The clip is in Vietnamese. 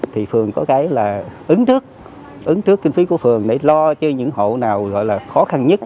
thì phường có cái là ứng trước ứng trước kinh phí của phường để lo cho những hộ nào gọi là khó khăn nhất